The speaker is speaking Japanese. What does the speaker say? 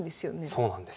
そうなんですよ。